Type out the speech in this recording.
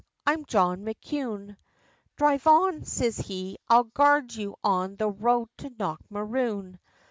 "I'm John McKune, Dhrive on," siz he, "I'll guard you on the road to Knockmaroon!"